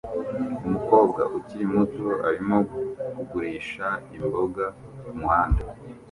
Umukobwa ukiri muto arimo kugurisha imboga kumuhanda